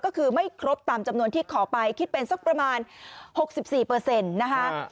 ก็คือไม่ครบตามจำนวนที่ขอไปคิดเป็นสักประมาณ๖๔นะคะ